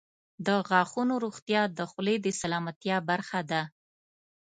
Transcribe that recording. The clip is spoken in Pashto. • د غاښونو روغتیا د خولې د سلامتیا برخه ده.